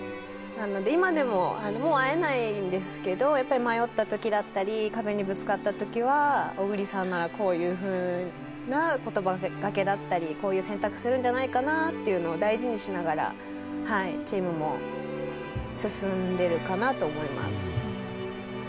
なので今でももう会えないんですけどやっぱり迷った時だったり壁にぶつかった時は小栗さんならこういう風な言葉がけだったりこういう選択するんじゃないかなっていうのを大事にしながらチームも進んでるかなと思います。